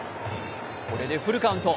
これでフルカウント。